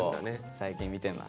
最近見てます。